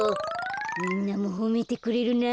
みんなもほめてくれるな。